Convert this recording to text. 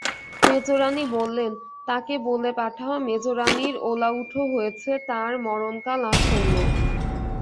মেজোরানী বললেন, তাঁকে বলে পাঠাও, মেজোরানীর ওলাউঠো হয়েছে, তাঁর মরণকাল আসন্ন।